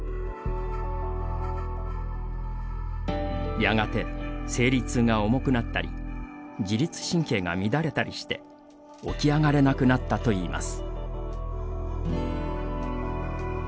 やがて、生理痛が重くなったり自律神経が乱れたりして起き上がれなくなったといいます。